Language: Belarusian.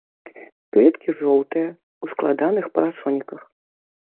Кветкі жоўтыя, у складаных парасоніках.